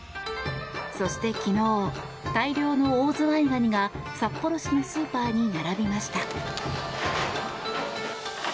そして昨日大量のオオズワイガニが札幌市のスーパーに並びました。